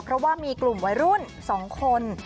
เพราะว่ามีกลุ่มวัยรุ่น๒คน